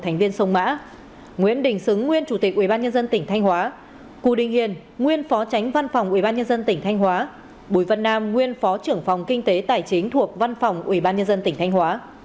nguyễn đình xứng nguyên chủ tịch ủy ban nhân dân tỉnh thanh hóa cù đình hiền nguyên phó tránh văn phòng ủy ban nhân dân tỉnh thanh hóa bùi vân nam nguyên phó trưởng phòng kinh tế tài chính thuộc văn phòng ủy ban nhân dân tỉnh thanh hóa